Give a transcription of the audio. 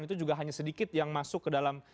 itu juga hanya sedikit yang masuk ke dalam